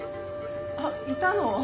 あっいたの？